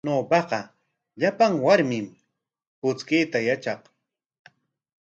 Ñawpaqa llapan warmim puchkayta yatraq.